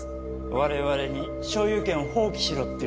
我々に所有権を放棄しろって言うんですか？